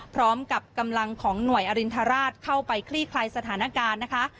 พร้อมกับกำลังของหน่วยอรินทราชเข้าไปคลี่คลายสถานการณ์นะคะ